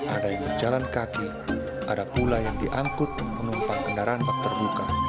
ada yang berjalan kaki ada pula yang diangkut menumpang kendaraan bakter buka